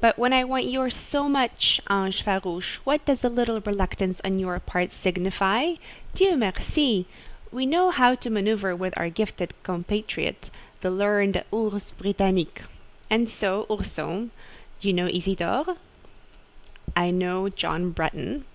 "But when I want yours so much, ange farouche, what does a little reluctance on your part signify? Dieu merci! we know how to manoeuvre with our gifted compatriote—the learned 'ourse Britannique.' And so, Ourson, you know Isidore?" "I know John Bretton."